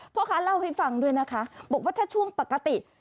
พ่อค้าเล่าให้ฟังด้วยนะคะบอกว่าถ้าช่วงปกติ